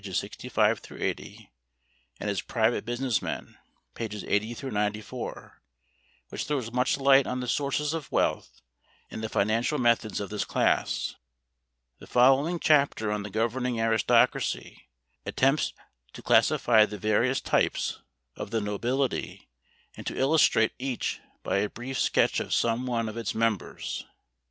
65 80) and as private business men (pp. 80 94), which throws much light on the sources of wealth and the financial methods of this class. The following chapter, on the governing aristocracy, attempts to classify the various types of the nobility and to illustrate each by a brief sketch of some one of its members.